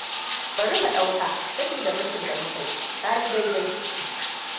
Bari mu dauka, sabida musun da muka yi, ka yi daidai.